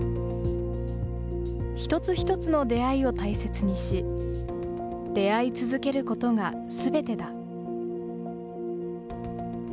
一つ一つの出会いを大切にし、出会い続けることがすべてだ。